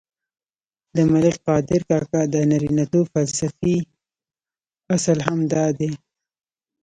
د ملک قادر کاکا د نارینتوب فلسفې اصل هم دادی.